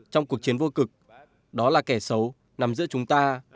trong cuộc chiến vô cực đó là kẻ xấu nằm giữa chúng ta